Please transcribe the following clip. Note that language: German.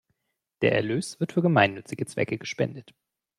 Der Erlös wird für gemeinnützige Zwecke gespendet.